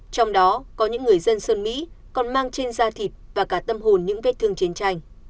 trong đó có những người dân sơn mỹ còn mang trên da thịt và cả tâm hồn những vết thương chiến tranh